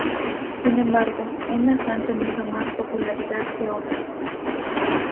Sin embargo, unas han tenido más popularidad que otras.